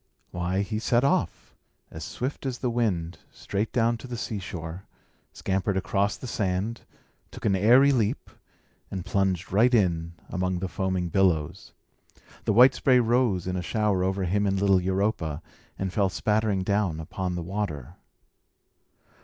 Why, he set off, as swift as the wind, straight down to the seashore, scampered across the sand, took an airy leap, and plunged right in among the foaming billows. The white spray rose in a shower over him and little Europa, and fell spattering down upon the water.